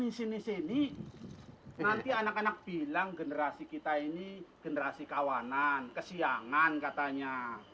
di sini sini nanti anak anak bilang generasi kita ini generasi kawanan kesiangan katanya